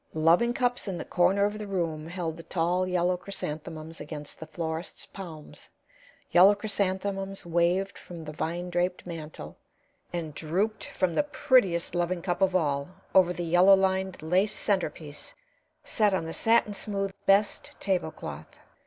Loving cups in the corner of the room held the tall, yellow chrysanthemums against the florist's palms; yellow chrysanthemums waved from the vine draped mantel and drooped from the prettiest loving cup of all over the yellow lined lace centerpiece set on the satin smooth "best" tablecloth.